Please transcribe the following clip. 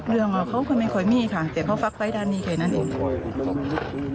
เรื่องเขาคือไม่ค่อยมีค่ะแต่พ่อฟักไปด้านนี้แค่นั้นอีก